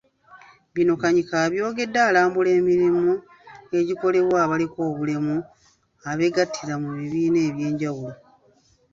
Bino Kanyike abyogedde alambula emirimu egikolebwa abaliko obulemu abeegattira mu bibiina eby'enjawulo.